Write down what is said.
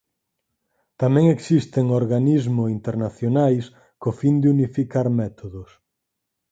Tamén existen organismo internacionais co fin de unificar métodos.